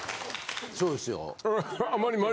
そうですよ。